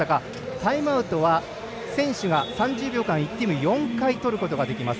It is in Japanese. タイムアウトは、選手が３０秒間１チーム４回とることができます。